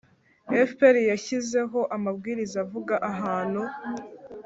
fpr yashyizeho amabwiriza avuga ahantu